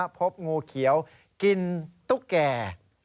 พบงูเขียวกินตุ๊กแก่